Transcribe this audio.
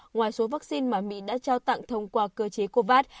ngoài số vaccine mà mỹ đã trao tặng thông qua cơ chế covax